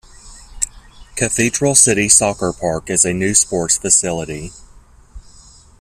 Cathedral City Soccer Park is a new sports facility.